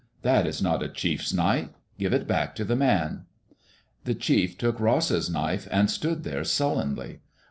That is not a chiefs knife. Give it back to the man." The chief took Ross's knife and stood there sullenly.